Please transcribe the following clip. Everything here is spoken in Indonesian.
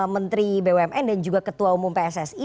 menteri bumn dan juga ketua umum pssi